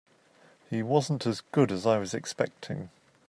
He wasn't as good as I was expecting.